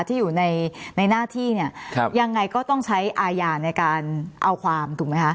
ที่อยู่ในหน้าที่เนี่ยยังไงก็ต้องใช้อาญาในการเอาความถูกไหมคะ